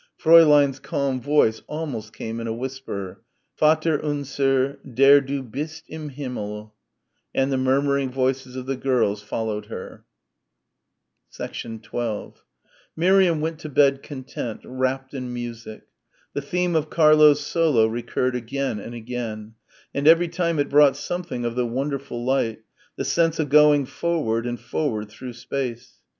Fräulein's calm voice came almost in a whisper, "Vater unser ... der Du bist im Himmel," and the murmuring voices of the girls followed her. 12 Miriam went to bed content, wrapped in music. The theme of Clara's solo recurred again and again; and every time it brought something of the wonderful light the sense of going forward and forward through space.